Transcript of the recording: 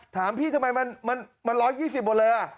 ถามพี่ทำไมมัน๑๒๐หมดเลย